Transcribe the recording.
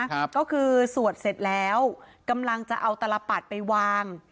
ครับก็คือสวดเสร็จแล้วกำลังจะเอาตลปัดไปวาง